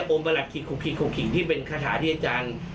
โอ้มประหลักขีกคุกขีกที่เป็นคาถาที่อาจารย์